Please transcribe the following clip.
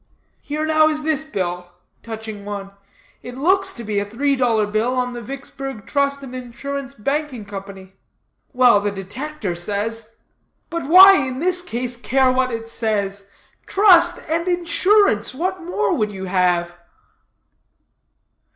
Here, now, is this bill," touching one, "it looks to be a three dollar bill on the Vicksburgh Trust and Insurance Banking Company. Well, the Detector says " "But why, in this case, care what it says? Trust and Insurance! What more would you have?"